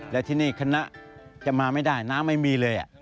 และที่นี่คณะจะมาไม่ได้น้ำไม่มีเลย